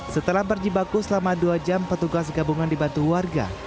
setelah berjibaku selama dua jam petugas gabungan dibantu warga